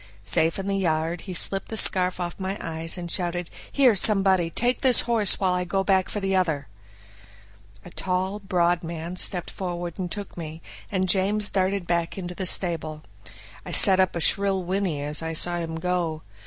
Safe in the yard, he slipped the scarf off my eyes, and shouted, "Here somebody! take this horse while I go back for the other." A tall, broad man stepped forward and took me, and James darted back into the stable. I set up a shrill whinny as I saw him go.